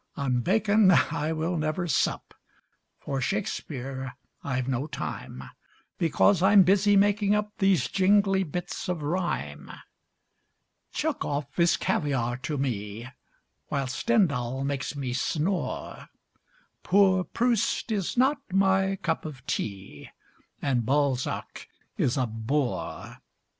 On Bacon I will never sup, For Shakespeare I've no time; Because I'm busy making up These jingly bits of rhyme. Chekov is caviar to me, While Stendhal makes me snore; Poor Proust is not my cup of tea, And Balzac is a bore.